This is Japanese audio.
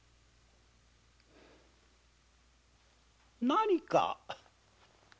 何か？